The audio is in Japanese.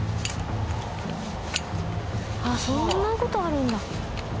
ああそんな事あるんだ。